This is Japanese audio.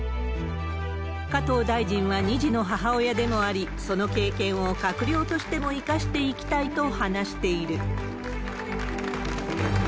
加藤大臣は２児の母親でもあり、その経験を閣僚としても生かしていきたいと話している。